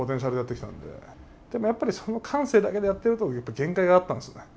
でもやっぱりその感性だけでやってると限界があったんですよね。